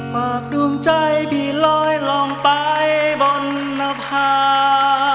ดวงใจพี่ลอยลองไปบนนภา